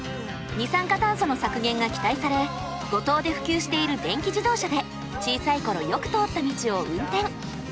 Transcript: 二酸化炭素の削減が期待され五島で普及している電気自動車で小さい頃よく通った道を運転。